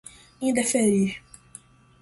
indeferir